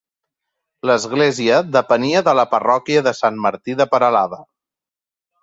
L'església depenia de la parròquia de Sant Martí de Peralada.